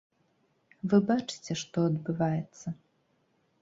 Вы бачыце, што адбываецца.